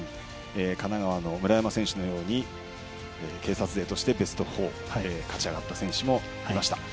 神奈川の村山選手のように警察勢としてベスト４に勝ち上がった選手もいました。